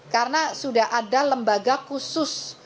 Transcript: karena sudah ada lembaga khusus